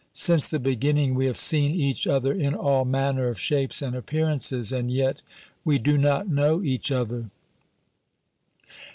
Since the beginning we have seen each other in all manner of shapes and appearances, and yet we do not know each other.